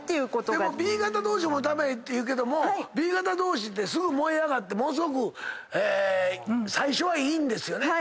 でもＢ型同士でも駄目っていうけどもＢ型同士ってすぐ燃え上がってものすごく最初はいいんですよね。